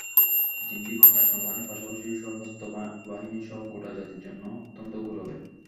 দিনটি বাংলাদেশ নৌবাহিনীর পাশাপাশি সশস্ত্র বাহিনীসহ গোটা জাতির জন্য অত্যন্ত গৌরবের।